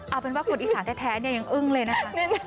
เอาเป็นว่าคนอีสานแท้เนี่ยยังอึ้งเลยนะคะ